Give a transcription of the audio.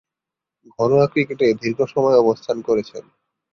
ঘরোয়া ক্রিকেটে দীর্ঘসময় অবস্থান করেছেন।